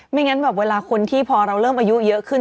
งั้นแบบเวลาคนที่พอเราเริ่มอายุเยอะขึ้น